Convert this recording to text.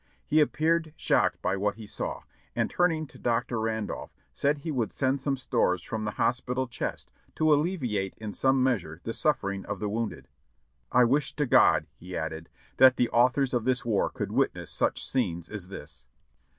He appeared shocked by what he saw, and turning to Dr. Randolph said he would send some stores from the hospital chest to alleviate in some measure the sufifering of the wounded. "I wish to God," he added, "that the authors of this war could witness such scenes as this!"